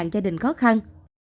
hai mươi bảy gia đình khó khăn